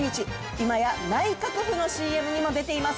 今や内閣府のＣＭにも出ています。